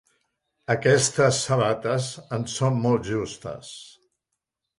Aquestes sabates em són molt justes.